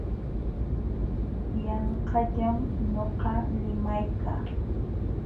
Yanqallam nuqa limaykaa.